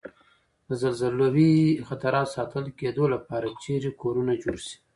د زلزلوي خطراتو ساتل کېدو لپاره چېرې کورنه جوړ شي؟